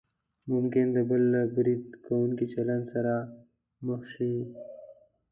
ممکن د بل له برید کوونکي چلند سره مخ شئ.